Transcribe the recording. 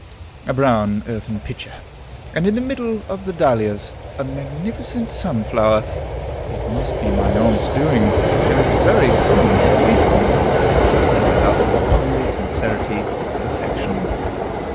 A brown earthen pitcher! And in the middle of the dahlias, a magnificent sunflower! It must be my aunt's doing, and its very homeliness pleases me, just as I love her homely sincerity of affection.